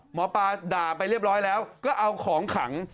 หมอปลาด่าไปเรียบร้อยแล้วก็เอาของขัง